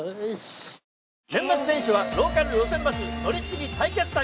年末年始は「ローカル路線バス乗り継ぎ対決旅」。